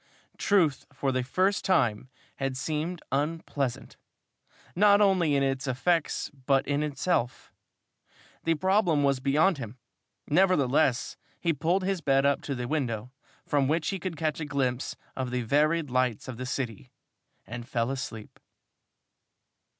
Truth for the first time had seemed unpleasant, not only in its effects but in itself. The problem was beyond him. Nevertheless, he pulled his bed up to the window, from which he could catch a glimpse of the varied lights of the city, and fell asleep.